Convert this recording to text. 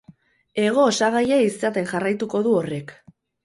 Hego-osagaia izaten jarraituko du horrek.